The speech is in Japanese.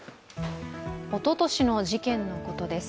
おととしの事件のことです。